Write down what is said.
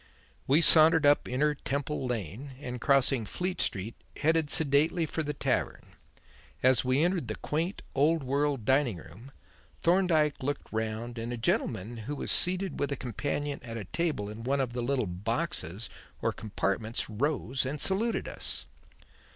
We sauntered up Inner Temple Lane, and, crossing Fleet Street, headed sedately for the tavern. As we entered the quaint old world dining room, Thorndyke looked round and a gentleman, who was seated with a companion at a table in one of the little boxes or compartments, rose and saluted us.